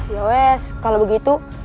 ya kalau begitu